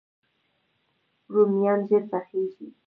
رومیان ژر پخیږي